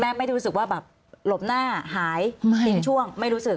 ไม่ได้รู้สึกว่าแบบหลบหน้าหายทิ้งช่วงไม่รู้สึก